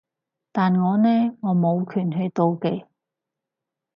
但我呢？我冇權去妒忌